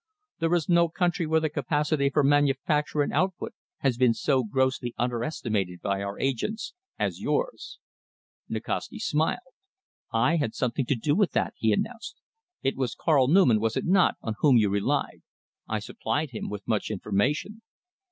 There is no country where the capacity for manufacture and output has been so grossly underestimated by our agents, as yours." Nikasti smiled. "I had something to do with that," he announced. "It was Karl Neumann, was it not, on whom you relied? I supplied him with much information."